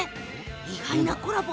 意外なコラボ。